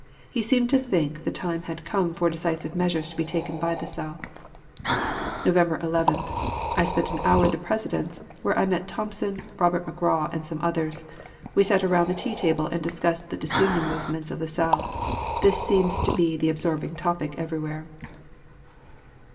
He seemed to think the time had come for decisive measures to be taken by the South. November 11 ... I spent an hour at the President's, where I met Thompson, Robert McGraw, and some others; we sat around the tea table and discussed the disunion movements of the South. This seems to be the absorbing topic everywhere.